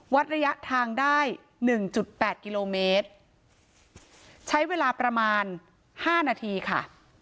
วัดระยะทางได้๑๘กิโลเมตรใช้เวลาประมาณ๕นาทีค่ะ